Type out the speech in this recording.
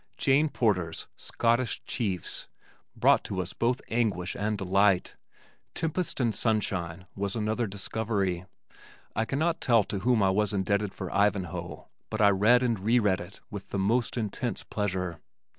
Jane Porter's Scottish Chiefs brought to us both anguish and delight. Tempest and Sunshine was another discovery. I cannot tell to whom I was indebted for Ivanhoe but I read and re read it with the most intense pleasure.